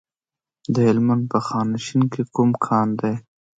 د هلمند په خانشین کې کوم کان دی؟